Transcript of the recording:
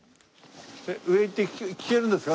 上へ行って聴けるんですか？